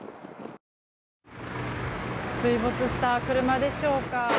水没した車でしょうか。